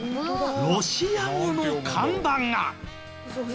ロシア語の看板が。